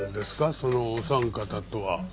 そのお三方とは。